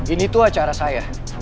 ini tuh acara saya